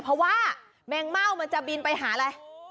เพราะว่าแมงเม่ามันจะบินไปหาอะไร